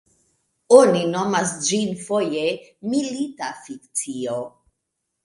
Oni nomas ĝin foje milita fikcio.